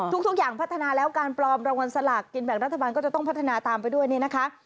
ทุกอย่างพัฒนาแล้วการปลอมรางวัลสลากกินแบ่งรัฐบาลก็จะต้องพัฒนาตามไปด้วยนี่นะคะ